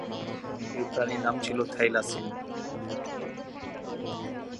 এই প্রাণীর নাম ছিল থাইলাসিন।